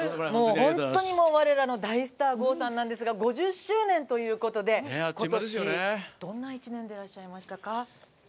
本当に、われらの大スター郷さんなんですが５０周年ということで、ことしどんな１年でいらっしゃいましたか？